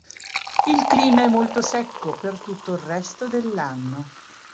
Il clima è molto secco per tutto il resto dell'anno.